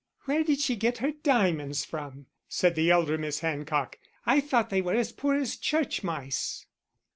"Where did she get her diamonds from?" said the elder Miss Hancock. "I thought they were as poor as church mice."